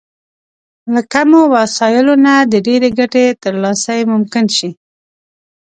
له کمو وسايلو نه د ډېرې ګټې ترلاسی ممکن شي.